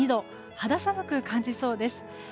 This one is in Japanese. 肌寒く感じそうです。